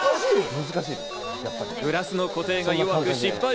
クラスの固定が弱く失敗。